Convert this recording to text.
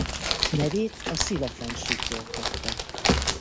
Nevét a Sila-fennsíkról kapta.